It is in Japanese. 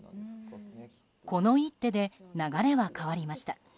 この一手で流れは変わりました。